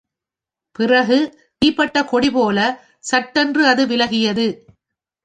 பிறகு தீப்பட்ட கொடிபோலச் சட்டென்று அது விலகியது.